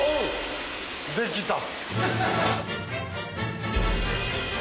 できた。